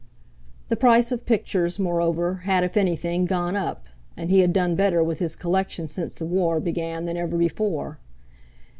The price of pictures, moreover, had, if anything, gone up, and he had done better with his collection since the War began than ever before.